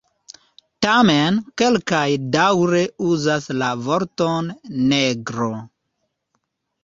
Tamen kelkaj daŭre uzas la vorton "negro".